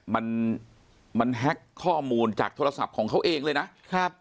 มันมันแฮ็กข้อมูลจากโทรศัพท์ของเขาเองเลยนะครับ